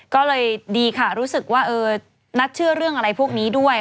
ก็เลยดีค่ะรู้สึกว่านัทเชื่อเรื่องอะไรพวกนี้ด้วย